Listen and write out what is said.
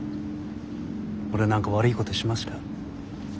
俺何か悪いことしました？